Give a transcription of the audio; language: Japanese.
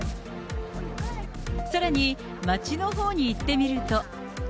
さらに街のほうに行ってみると。